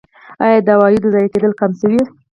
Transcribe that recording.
آیا د عوایدو ضایع کیدل کم شوي؟